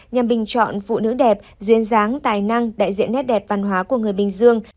nhằm bình chọn phụ nữ đẹp duyên giáng tài năng đại diện nét đẹp văn hóa của người bình dương